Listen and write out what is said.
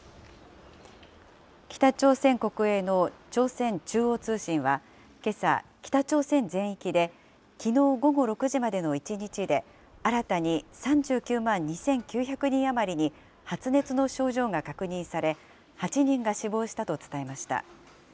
北朝鮮国営の朝鮮中央通信は、けさ、北朝鮮全域できのう午後６時までの１日で、新たに３９万２９００人余りに発熱の症状が確認され、８人が死亡したと伝えました。